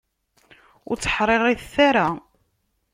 Ur tteḥṛiṛitet ara!